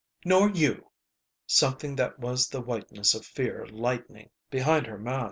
"Nor you!" something that was the whiteness of fear lightening behind her mask.